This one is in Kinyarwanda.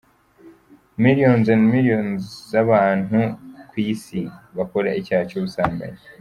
Millions and millions z’abantu ku isi, bakora icyaha cy’ubusambanyi.